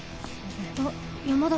あっ山田。